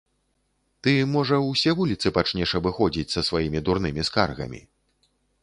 Ты, можа, усе вуліцы пачнеш абыходзіць са сваімі дурнымі скаргамі?